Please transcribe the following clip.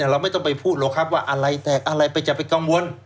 เราไม่ต้องไปพูดหรอกครับว่าอะไรแตกอะไรไปจะไปกังวล